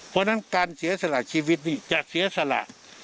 เพราะฉะนั้นการเสียสละชีวิตนี่จะเสียสละ